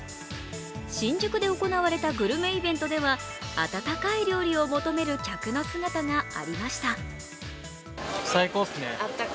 新宿で行われたグルメイベントでは温かい料理を求める客の姿がありました。